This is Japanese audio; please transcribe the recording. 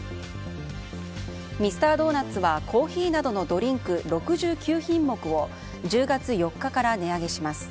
ミスタードーナツはコーヒーなどのドリンク６９品目を１０月４日から値上げします。